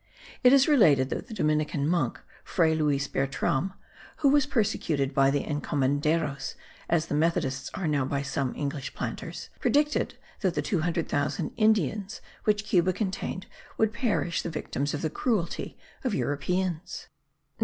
It is related that the Dominican monk, Fray Luys Bertram, who was persecuted* by the encomenderos, as the Methodists now are by some English planters, predicted that the 200,000 Indians which Cuba contained, would perish the victims of the cruelty of Europeans.